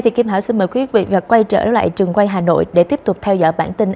thì kim hảo xin mời quý vị quay trở lại trường quay hà nội để tiếp tục theo dõi bản tin an ninh hai mươi bốn h